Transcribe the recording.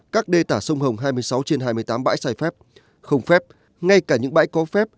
các đê tả sông hồng hai mươi sáu trên hai mươi tám bãi sai phép không phép ngay cả những bãi có phép